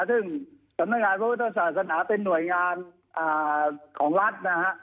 ซึ่งสำนักงานพระพุทธศาสนาเป็นหน่วยงานของรัฐนะฮะ